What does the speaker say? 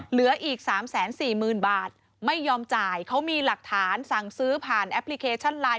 เหลืออีก๓๔๐๐๐บาทไม่ยอมจ่ายเขามีหลักฐานสั่งซื้อผ่านแอปพลิเคชันไลน